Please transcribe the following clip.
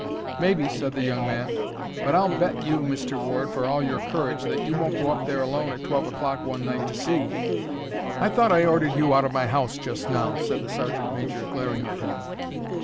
"Maybe," said the young man; "but I'll bet you, Mr. Ward, for all your courage, that you won't go up there alone at twelve o'clock one night to see." "I thought I ordered you out of my house just now," said the sergeant major, glaring at him.